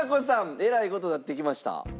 えらい事になってきました。